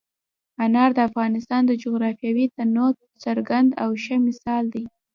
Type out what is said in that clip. انار د افغانستان د جغرافیوي تنوع یو څرګند او ښه مثال دی.